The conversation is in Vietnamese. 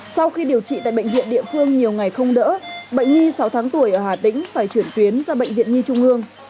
sau khi điều trị tại bệnh viện địa phương nhiều ngày không đỡ bệnh nhi sáu tháng tuổi ở hà tĩnh phải chuyển tuyến ra bệnh viện nhi trung ương